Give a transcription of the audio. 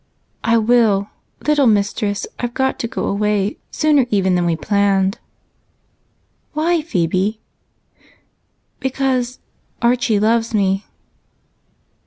"I will! Little mistress, I've got to go away, sooner even than we planned." "Why, Phebe?" "Because Archie loves me."